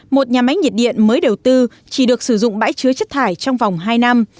một nhà máy nhiệt điện mới đầu tư chỉ được sử dụng bãi chứa chất thải trong vòng hai năm